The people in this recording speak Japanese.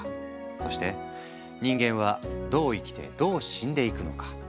そして人間はどう生きてどう死んでいくのか？